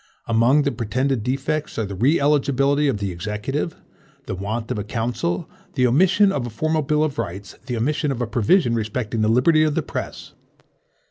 Among the pretended defects are the re eligibility of the Executive, the want of a council, the omission of a formal bill of rights, the omission of a provision respecting the liberty of the press.